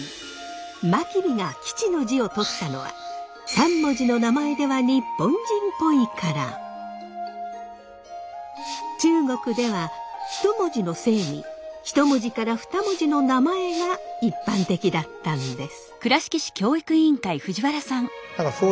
真備が「吉」の字を取ったのは中国では１文字の姓に１文字から２文字の名前が一般的だったんです。